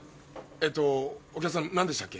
えっとお客さん何でしたっけ？